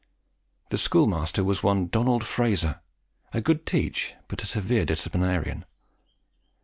The schoolmaster was one Donald Frazer, a good teacher, but a severe disciplinarian.